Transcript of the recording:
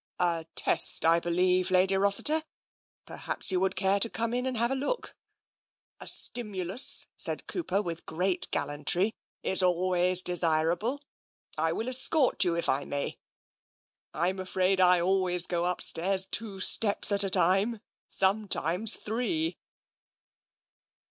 "" A test, I believe. Lady Rossiter. Perhaps you would care to come in and have a look. A stimulus," said Cooper, with great gallantry, " is always desirable. I will escort you if I may. I'm afraid I always go upstairs two steps at a time. Sometimes three."